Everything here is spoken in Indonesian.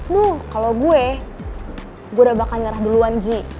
nuh kalau gue gue udah bakal nyerah duluan ji